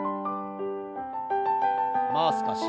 もう少し。